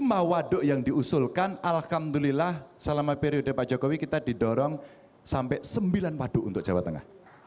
lima waduk yang diusulkan alhamdulillah selama periode pak jokowi kita didorong sampai sembilan waduk untuk jawa tengah